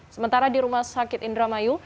sementara di rumah sakit indramayu